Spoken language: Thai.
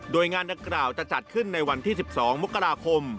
โดยงานดังกล่าวจะจัดขึ้นในวันที่๑๒มกราคม